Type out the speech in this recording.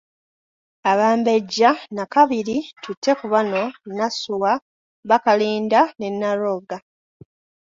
Abambejja Nnakabiri Tuttekubano, Nassuwa, Balikanda ne Nnalwoga.